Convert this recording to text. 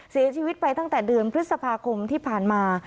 เสียชีวิตไปตั้งแต่เดือนพฤษภาคมที่ผ่านมา